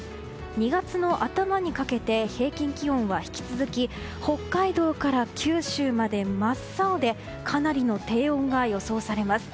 ２月の頭にかけて、平均気温は引き続き北海道から九州まで真っ青で、かなりの低温が予想されます。